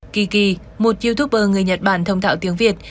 kiki một youtuber người nhật bản thông tạo tiếng việt